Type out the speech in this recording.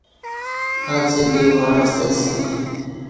اڅلی وعݩستہ اسی۔